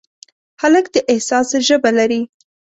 هلک د احساس ژبه لري.